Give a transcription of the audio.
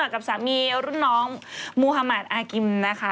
กับสามีรุ่นน้องมูฮามาทอากิมนะคะ